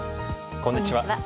こんにちは。